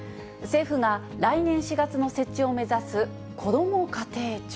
政府が来年４月の設置を目指すこども家庭庁。